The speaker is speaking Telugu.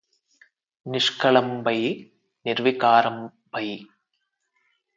నిష్కళంకంబయి నిర్వికారంబయి